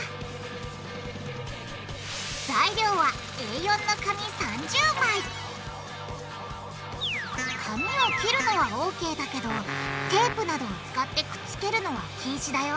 材料はＡ４の紙３０枚紙を切るのはＯＫだけどテープなどを使ってくっつけるのは禁止だよ